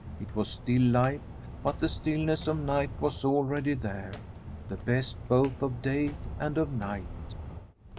It was still light, but the stillness of night was already there, the best both of day and of night.